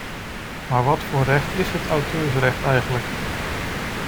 Maar wat voor een recht is het auteursrecht eigenlijk?